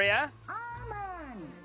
・アーマン！